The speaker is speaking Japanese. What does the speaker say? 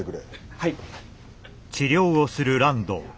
はい。